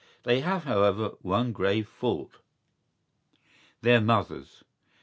¬Ý They have, however, one grave fault—their mothers.